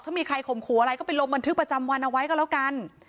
ถ้ามีใครข่มขู่อะไรก็ไปลงบันทึกประจำวันเอาไว้ก็แล้วกัน